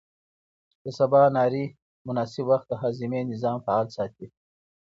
د سباناري مناسب وخت د هاضمې نظام فعال ساتي.